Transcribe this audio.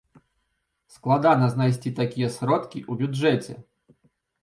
Складана знайсці такія сродкі ў бюджэце.